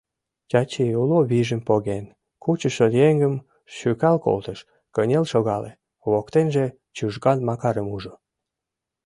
Чачи, уло вийжым поген, кучышо еҥым шӱкал колтыш, кынел шогале, воктенже Чужган Макарым ужо.